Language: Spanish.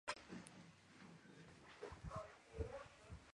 El partido se disputó en el Estadio Pierre de Coubertin de París.